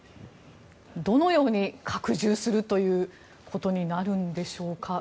どのように拡充するということになるんでしょうか。